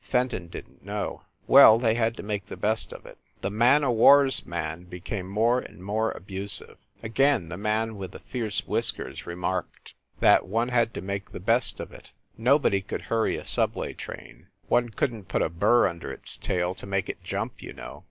Fenton didn t know. Well, they had to make the best of it. The man o war s man became more and more abusive. Again the man with the fierce whiskers remarked 190 FIND THE WOMAN that one had to make the best of it. Nobody could hurry a subway train. One couldn t put a burr un der its tail to make it jump, you know.